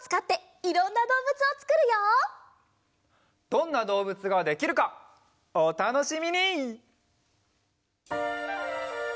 どんなどうぶつができるかおたのしみに！